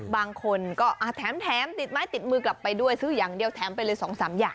บางคนก็แถมติดไม้ติดมือกลับไปด้วยซื้ออย่างเดียวแถมไปเลย๒๓อย่าง